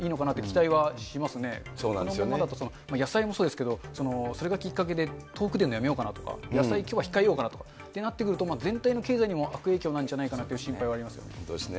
このままだと、野菜もそうですけれども、それがきっかけで遠く出るのやめようかなとか、野菜きょうは控えようかなとなってくると、全体の経済にも悪影響なんじゃないかなという心配はありますよね。